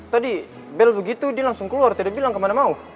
tadi bel begitu dia langsung keluar dia bilang kemana mau